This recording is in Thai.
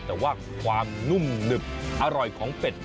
แต่ว่าความนุ่มหนึบอร่อยของเป็ด